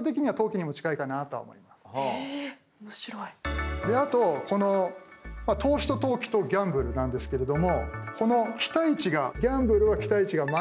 ただであとこの投資と投機とギャンブルなんですけれどもこの期待値がギャンブルは期待値がマイナス。